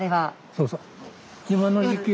そうそう。